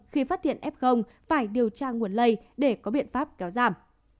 khi phát hiện f phải điều tra nguồn lây để có biện pháp kéo giảm